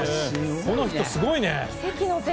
この人、すごいね。